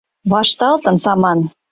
«Вашталтын саман.